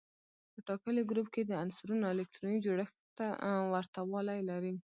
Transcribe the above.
په ټاکلي ګروپ کې د عنصرونو الکتروني جوړښت ورته والی لري.